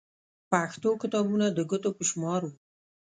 پښتو کتابونه د ګوتو په شمار وو.